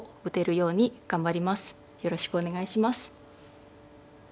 よろしくお願いします。